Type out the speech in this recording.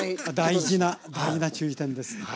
大事な大事な注意点です。